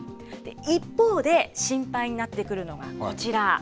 一方で、心配になってくるのがこちら。